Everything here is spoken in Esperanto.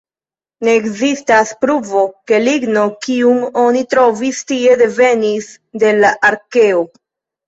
Ne ekzistas pruvo, ke ligno, kiun oni trovis tie, devenis de la arkeo.